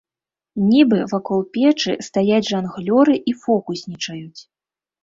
Нібы вакол печы стаяць жанглёры і фокуснічаюць.